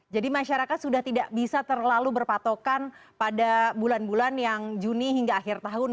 jadi masyarakat sudah tidak bisa terlalu berpatokan pada bulan bulan yang juni hingga akhir tahun